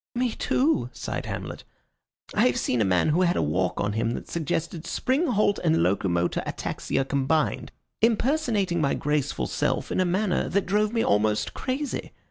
"Me too," sighed Hamlet. "I have seen a man who had a walk on him that suggested spring halt and locomotor ataxia combined impersonating my graceful self in a manner that drove me almost crazy.